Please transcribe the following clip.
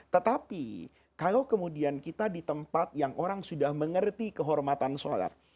tetapi kalau kemudian kita di tempat yang orang sudah mengerti kehormatan sholat